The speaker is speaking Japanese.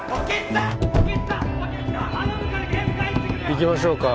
行きましょうか